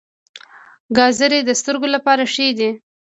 ګازرې د سترګو لپاره ښې دي